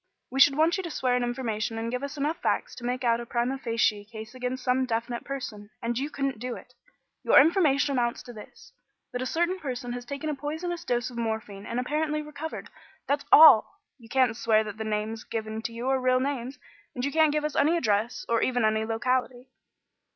We should want you to swear an information and give us enough facts to make out a primâ facie case against some definite person. And you couldn't do it. Your information amounts to this: that a certain person has taken a poisonous dose of morphine and apparently recovered. That's all. You can't swear that the names given to you are real names, and you can't give us any address or even any locality."